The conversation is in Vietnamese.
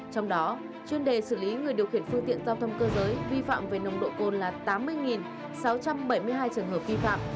trong đó chuyên đề xử lý người điều khiển phương tiện giao thông cơ giới vi phạm về nồng độ cồn là tám mươi sáu trăm bảy mươi hai trường hợp vi phạm